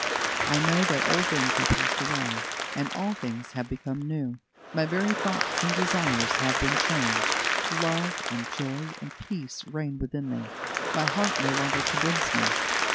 I know that old things have passed away, and all things have become new. My very thoughts and desires have been changed. Love and joy and peace reign within me. My heart no longer condemns me.